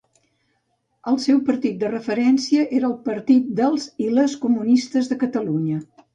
El seu partit de referència era el Partit dels i les Comunistes de Catalunya.